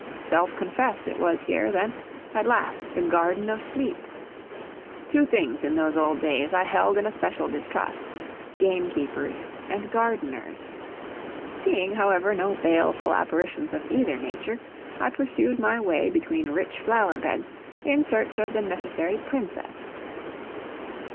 Self confessed it was here, then, at last the Garden of Sleep! Two things, in those old days, I held in especial distrust: gamekeepers and gardeners. Seeing, however, no baleful apparitions of either nature, I pursued my way between rich flower beds, in search of the necessary Princess.